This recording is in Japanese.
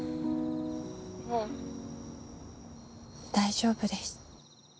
もう大丈夫です。